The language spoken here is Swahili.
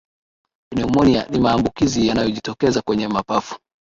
pneumonia ni maambukizi yanayojitokeza kwenye mapafu